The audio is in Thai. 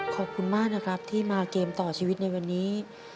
ขอบคุณมากนะครับที่มาเกมต่อชีวิตในวันนี้